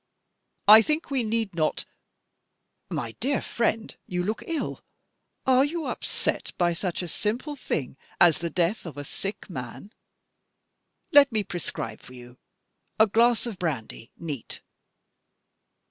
I think we need not My dear friend, you look ill. Are you upset by such a simple thing as the death of a sick man? Let me prescribe for you. A glass of brandy neat.